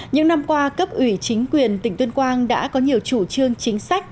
những năm qua cấp ủy chính quyền tỉnh tuyên quang đã có nhiều chủ trương chính sách